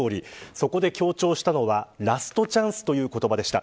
そこで強調したのはラストチャンスという言葉でした。